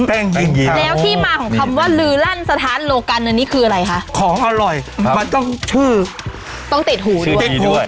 แล้วที่มาของคำว่าลือลั่นสถานโลกันอันนี้คืออะไรคะของอร่อยมันต้องชื่อต้องติดหูด้วย